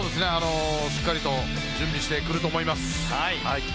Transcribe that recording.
しっかりと準備してくると思います。